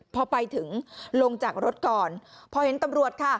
พอไปถึงลงจากรถก่อนพอเห็นตำรวจค่ะ